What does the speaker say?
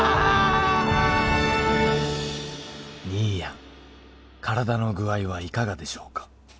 「兄やん体の具合はいかがでしょうか？」